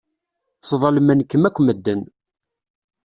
Sḍelmen-kem akk medden.